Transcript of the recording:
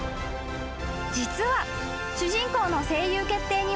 ［実は主人公の声優決定には］